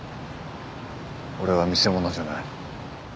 俺は見せ物じゃない。